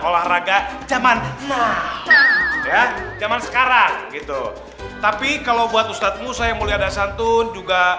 olahraga zaman ya zaman sekarang gitu tapi kalau buat ustadzmu saya yang mulia dan santun juga